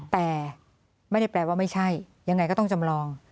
แต่ไม่ได้แปลว่าไม่ใช่ยังไงก็ต้องจำลอง